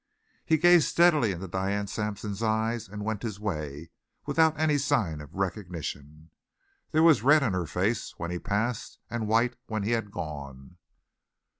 He gazed steadily into Diane Sampson's eyes and went his way without any sign of recognition. There was red in her face when he passed and white when he had gone.